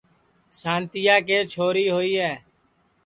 سانتِیا کے چھوری ہوئی ہے